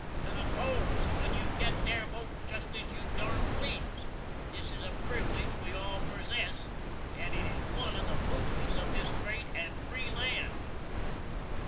To the poles and when you git there vote jest as you darn please. This is a privilege we all persess, and it is 1 of the booties of this grate and free land.